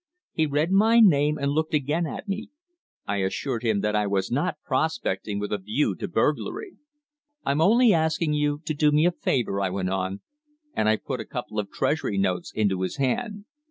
He read my name and looked again at me. I assured him that I was not prospecting with a view to burglary. "I'm only asking you to do me a favour," I went on, and I put a couple of Treasury notes into his hand.